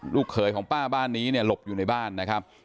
เขยของป้าบ้านนี้เนี่ยหลบอยู่ในบ้านนะครับ